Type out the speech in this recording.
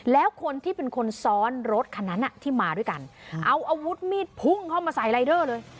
แล้วคนที่เป็นคนซ้อนรถคันนั้นที่มาด้วยกันเอาอาวุธมีดพุ่งเข้ามาใส่รายเดอร์เลย